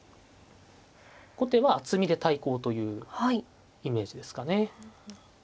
後手は厚みで対抗というイメージですかね。